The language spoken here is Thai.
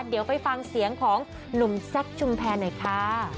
เดี๋ยวไปฟังเสียงของหนุ่มแซคชุมแพรหน่อยค่ะ